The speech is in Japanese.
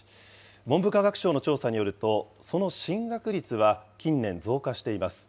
文部科学省の調査によると、その進学率は近年、増加しています。